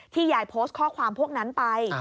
ยายโพสต์ข้อความพวกนั้นไป